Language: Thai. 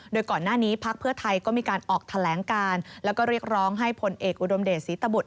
โดยก่อนหน้านี้พักเพื่อไทยก็มีการออกแถลงการแล้วก็เรียกร้องให้ผลเอกอุดมเดชศรีตบุตร